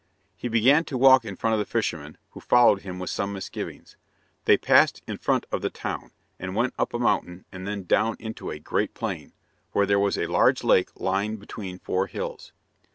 He began to walk in front of the fisherman, who followed him with some misgivings. They passed in front of the town, and went up a mountain and then down into a great plain, where there was a large lake lying between four hills.